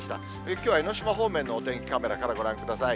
きょうは江の島方面のお天気カメラからご覧ください。